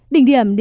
đình điểm đến